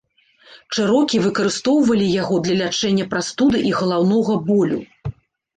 Чэрокі выкарыстоўвалі яго для лячэння прастуды і галаўнога болю.